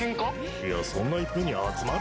いやそんな一遍に集まる？